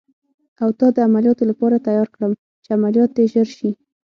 او تا د عملیاتو لپاره تیار کړم، چې عملیات دې ژر شي.